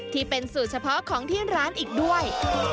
ที่เป็นสูตรเฉพาะของที่ร้านอีกด้วย